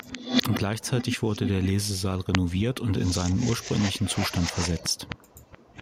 Gleichzeitig wurde der Lesesaal renoviert und in seinen ursprünglichen Zustand versetzt.